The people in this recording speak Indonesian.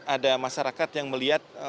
ada masyarakat yang melihat